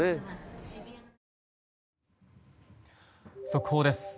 速報です。